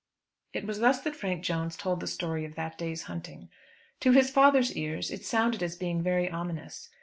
It was thus that Frank Jones told the story of that day's hunting. To his father's ears it sounded as being very ominous.